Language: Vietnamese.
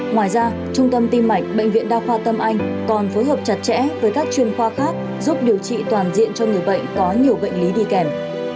ngoài ra trung tâm tim mạch bệnh viện đa khoa tâm anh còn phối hợp chặt chẽ với các chuyên khoa khác giúp điều trị toàn diện cho người bệnh có nhiều bệnh lý đi kèm